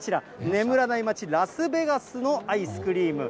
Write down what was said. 眠らない街、ラスベガスのアイスクリーム。